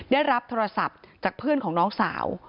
ได้รับโทรศัพท์จากเพื่อนของน้องสาว